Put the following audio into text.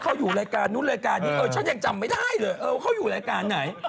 เขาอยู่รายการนู้นรายการนี้เออฉันยังจำไม่ได้เลยเออเขาอยู่รายการไหน